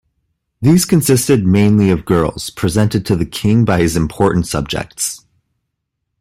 These consisted mainly of girls presented to the king by his important subjects.